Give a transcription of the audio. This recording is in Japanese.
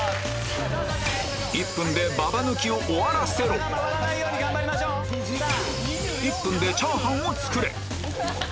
１分でババ抜きを終わらせろ１分で炒飯を作れ！